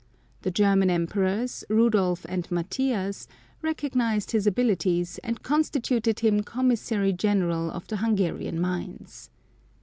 The German Emperors, Rudolph and Matthias, recognised his abilities, and constituted him Commissary General of the Hungarian mines.